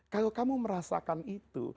kalau kamu merasakan itu